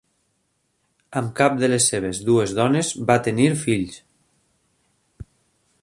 Amb cap de les seves dues dones va tenir fills.